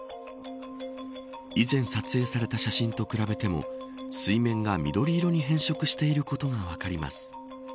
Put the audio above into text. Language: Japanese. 以前撮影された写真と比べても水面が緑色に変色していることが分かります。